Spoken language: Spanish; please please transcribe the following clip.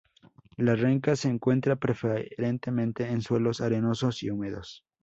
La renca se encuentra preferentemente en suelos arenosos y húmedos.